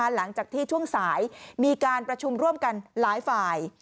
หลังจากที่ช่วงสายมีการประชุมร่วมกันหลายฝ่าย